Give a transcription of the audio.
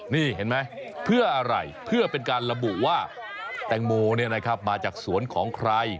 นี่เห็นไหมเพื่ออะไรเพื่อเป็นการระบุว่าแตงโมมาจากสวนของใคร